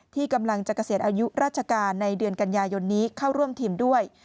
ที่กำลังจะเกษียณอายุราชการในเดือนกันยายนนี้เข้าร่วมทีมด้วย